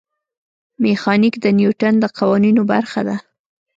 میخانیک د نیوټن د قوانینو برخه ده.